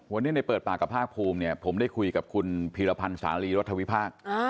วันนี้ในเปิดปากกับภาคภูมิเนี่ยผมได้คุยกับคุณพีรพันธ์สาลีรัฐวิพากษ์